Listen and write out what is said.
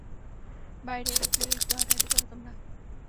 বাইরে গিয়ে একটু হাঁটাহাঁটি করো তোমরা।